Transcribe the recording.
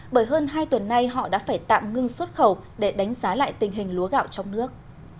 bởi hơn hai tuần nay họ đã phải tạm ngưng xuất khẩu để đánh giá lại tình hình lúa gạo trong nước